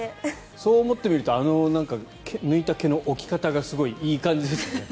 そう思ってみるとあの毛の置き方がすごい、いい感じですね。